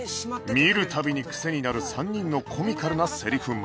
見る度にクセになる３人のコミカルなセリフ回し